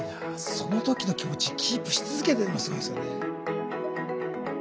その時の気持ちキープし続けてるのがすごいですよね。